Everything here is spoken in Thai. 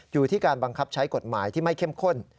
อยู่ที่การบังคับใช้กฎหมายที่ไม่เข้มข้น